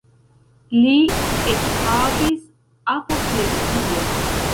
Li ekhavis apopleksion.